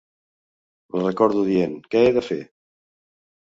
La recordo dient "Què he de fer?"